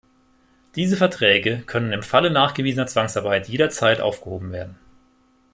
Diese Verträge können im Falle nachgewiesener Zwangsarbeit jederzeit aufgehoben werden.